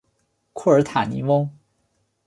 库尔塔尼翁。